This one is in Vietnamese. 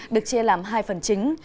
được chia làm hai phần chính